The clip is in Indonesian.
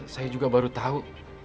saya juga baru tau